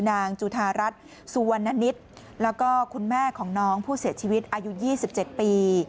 จุธารัฐสุวรรณนิตแล้วก็คุณแม่ของน้องผู้เสียชีวิตอายุ๒๗ปี